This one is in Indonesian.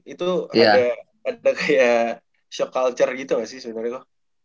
itu ada kayak shock culture gitu nggak sih sebenernya ko